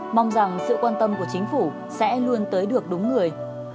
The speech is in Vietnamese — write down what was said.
mong rằng sự quan tâm của chính phủ sẽ luôn tới được đúng người